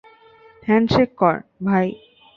Handshake কর, ভাই।